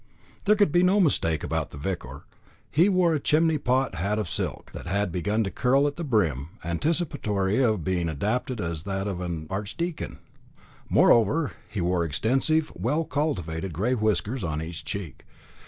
There could be no mistake about the vicar; he wore a chimney pot hat of silk, that had begun to curl at the brim, anticipatory of being adapted as that of an archdeacon. Moreover, he wore extensive, well cultivated grey whiskers on each cheek.